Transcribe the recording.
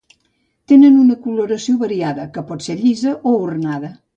Tenen una coloració variada, que pot ser llisa o ornada.